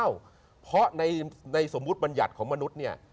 อ้าวเพราะในสมมุติบัญญัติของมนุษย์